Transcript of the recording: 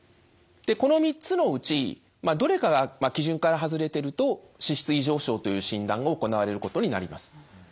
でこの３つのうちどれかが基準から外れてると脂質異常症という診断が行われることになります。